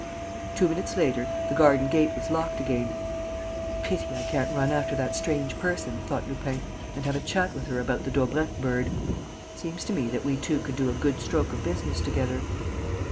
Two minutes later, the garden gate was locked again. "Pity I can't run after that strange person," thought Lupin, "and have a chat with her about the Daubrecq bird. Seems to me that we two could do a good stroke of business together."